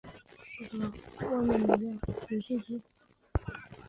葫芦碘泡虫为碘泡科碘泡虫属的动物。